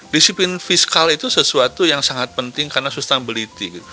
disiplin fiskal itu sesuatu yang sangat penting karena sustainability